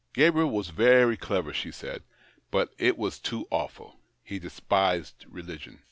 Gabriel was very clever, she said, Ijut it was too awful — he despised religion.